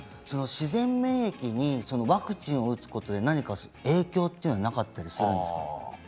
自然免疫にワクチンを打つことで何か影響はなかったりするんですか。